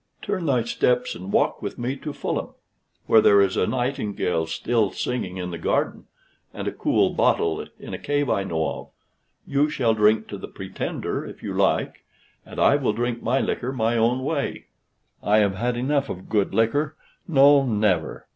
Turn thy steps and walk with me to Fulham, where there is a nightingale still singing in the garden, and a cool bottle in a cave I know of; you shall drink to the Pretender if you like, and I will drink my liquor my own way: I have had enough of good liquor? no, never!